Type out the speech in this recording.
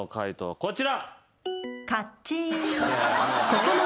こちら。